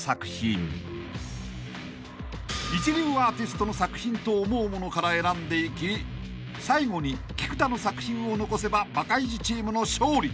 ［一流アーティストの作品と思うものから選んでいき最後に菊田の作品を残せばバカイジチームの勝利］